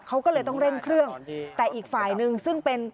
เขาก็เลยต้องเร่งเครื่องแต่อีกฝ่ายนึงซึ่งเป็น